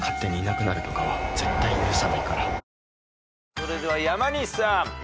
それでは山西さん。